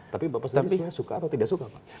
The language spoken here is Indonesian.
tapi bapak sendiri suka atau tidak suka pak